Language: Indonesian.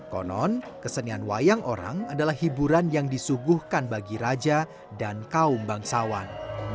konon kesenian wayang orang adalah hiburan yang disuguhkan bagi raja dan kaum bangsawan